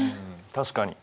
確かに。